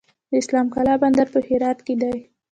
د اسلام قلعه بندر په هرات کې دی